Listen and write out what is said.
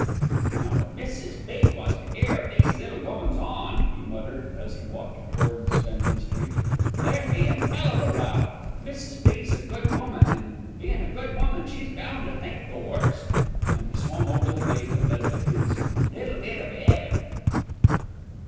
"Now, if Mrs. B. was to 'ear of these little goin's on," he muttered, as he walked towards Fenton Street, "there'd be an 'ell of a row. Mrs. B.'s a good woman an', bein' a good woman, she's bound to think the worst," and he swung open the gate that led to his "Little Bit of 'Eaven."